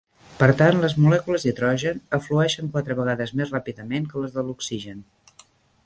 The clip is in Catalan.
Per tant, les molècules d'hidrogen eflueixen quatre vegades més ràpidament que les de l'oxigen.